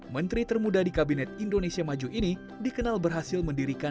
menteri termuda di kabinet indonesia maju ini dikenal berhasil mendirikan